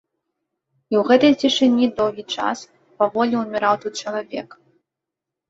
І ў гэтай цішыні доўгі час, паволі ўміраў тут чалавек.